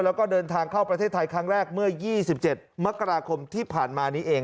แล้วก็เดินทางเข้าประเทศไทยครั้งแรกเมื่อ๒๗มกราคมที่ผ่านมานี้เอง